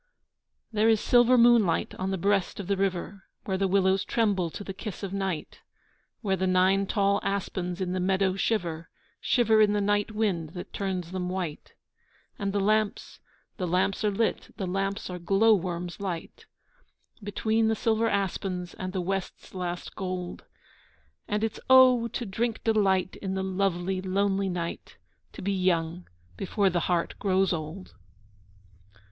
There is silver moonlight on the breast of the river Where the willows tremble to the kiss of night, Where the nine tall aspens in the meadow shiver, Shiver in the night wind that turns them white. And the lamps, the lamps are lit, the lamps are glow worms light, Between the silver aspens and the west's last gold. And it's oh! to drink delight in the lovely lonely night, To be young before the heart grows old!